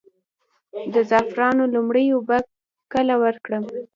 د زعفرانو لومړۍ اوبه کله ورکړم؟